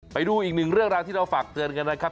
ไปดูอีกหนึ่งเรื่องราวที่เราฝากเตือนกันนะครับ